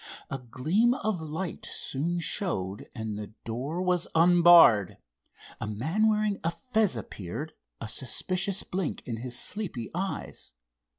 A gleam of light soon showed, and the door was unbarred. A man wearing a fez appeared, a suspicious blink in his sleepy eyes.